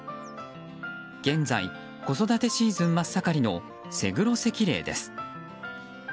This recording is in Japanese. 現在、子育てシーズン真っ盛りのセグロセキレイです。